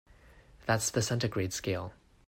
That's the centigrade scale.